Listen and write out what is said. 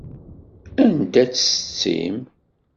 Anda-tt setti-m?